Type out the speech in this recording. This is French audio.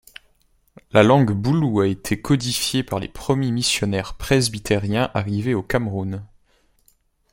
La langue boulou a été codifiée par les premiers missionnaires presbytériens arrivés au Cameroun.